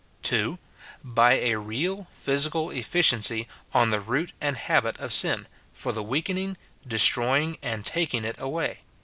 [2.] By a real physical efficiency on the root and habit of sin, for the weakening, destroying, and taking it away.